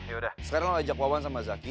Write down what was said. yaudah sekarang lo ajak wawan sama zaky